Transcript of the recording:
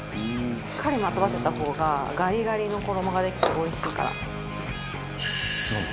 しっかりまとわせた方がガリガリの衣ができておいしいから。